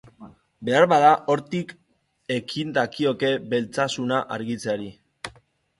Beharbada hortik ekin dakioke belztasuna argitzeari.